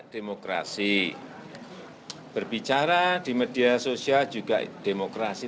demokrasi berbicara di media sosial juga demokrasi